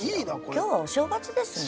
今日はお正月ですもん。